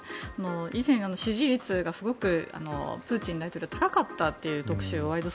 以前、支持率がすごくプーチン大統領高かったという特集を「ワイド！